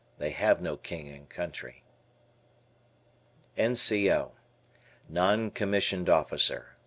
They have no "King and Country." N.C.O. Non commissioned officer.